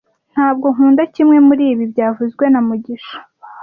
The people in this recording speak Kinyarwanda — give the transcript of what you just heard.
Ntabwo nkunda kimwe muribi byavuzwe na mugisha (